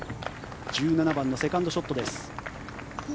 １７番のセカンドショットです。